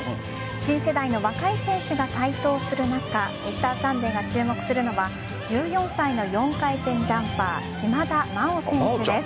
新世代の若い選手が台頭する中「Ｍｒ．サンデー」が注目するのは１４歳の４回転ジャンパー島田麻央選手です。